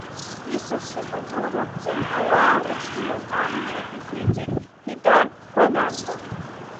Исасцәа пату рықәҵан, ауаа рыдгалан, амҩа иқәиҵеит Ҳидар Гәананба.